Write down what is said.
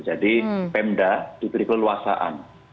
jadi pemda diperluasaan